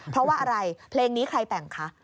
เพราะว่าอะไรเพลงนี้ใครแต่งคะ